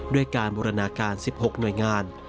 ด้วยการบูรณาการ๑๖หน่วยงาน